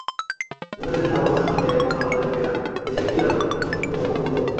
বিভিন্ন ক্ষেত্রে সফলতার সঙ্গে এখন আমাদের মেেয়রা দেশের ক্রীড়াঙ্গনকেও আলোকিত করছে।